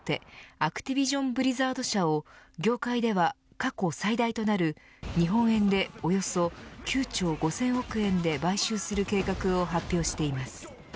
アクティビジョン・ブリザード社を業界では過去最大となる日本円でおよそ９兆５０００億円で買収する計画を発表しています。